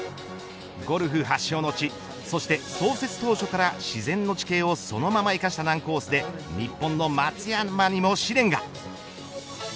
ゴルフ発祥の地そして創設当初から自然の地形をそのまま生かした難コースで日本の松山にも試練が。